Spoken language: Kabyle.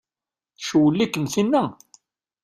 Tcewwel-ikem tinna?